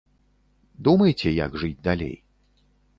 Думайце, як жыць далей.